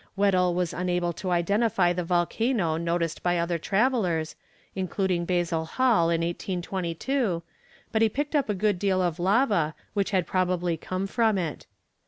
Weddell was unable to identify the volcano noticed by other travellers, including Basil Hall in 1822, but he picked up a good deal of lava which had probably come from it.